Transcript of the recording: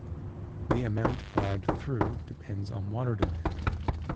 The amount allowed through depends on water demand.